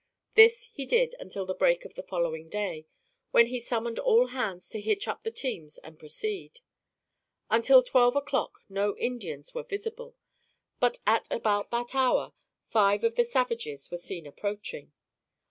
This he did until the break of the following day, when he summoned all hands to hitch up the teams and proceed. Until twelve o'clock no Indians were visible; but, at about that hour, five of the savages were seen approaching.